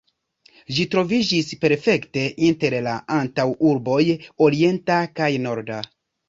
Ĝi troviĝis perfekte inter la antaŭurboj orienta kaj norda.